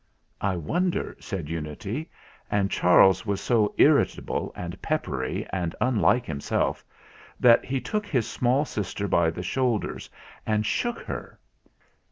"I wonder," said Unity; and Charles was so THE RECOVERY OF MR. JAGO 171 irritable and peppery and unlike himself, that he took his small sister by the shoulders and shook her.